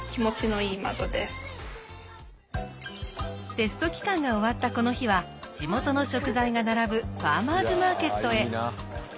テスト期間が終わったこの日は地元の食材が並ぶファーマーズマーケットへ。